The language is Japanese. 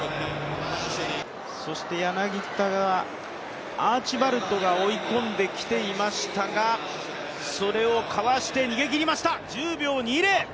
柳田がアーチバルドが追い込んできていましたが、それをかわして逃げきりました、１０秒２０。